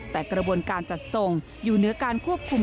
แต่กระบวนการจัดส่งอยู่เหนือการควบคุม